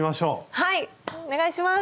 はいお願いします！